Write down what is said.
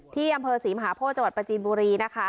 ที่อำเภอศรีมหาโพธิจังหวัดประจีนบุรีนะคะ